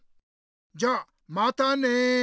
じゃまたね！